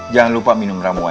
jangan lupa minum ramuan